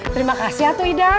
terima kasih atuh idan